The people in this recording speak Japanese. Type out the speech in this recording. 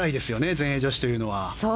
全英女子というのは。